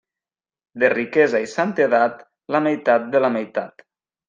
De riquesa i santedat, la meitat de la meitat.